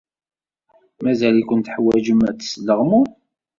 Mazal-iken teḥwajem ad tesleɣmum.